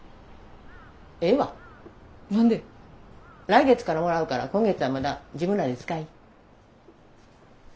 来月からもらうから今月はまだ自分らで使い。